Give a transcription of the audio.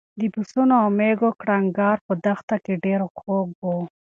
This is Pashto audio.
د پسونو او مېږو کړنګار په دښته کې ډېر خوږ و.